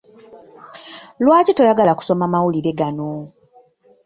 Lwaki toyagala kusoma mawulire gano?